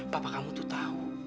papa kamu tuh tau